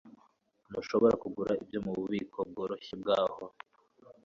ntushobora kugura ibyo mububiko bworoshye bwaho